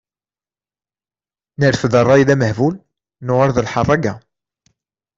Nerfed rray d amehbul, nuɣal d lḥerraga.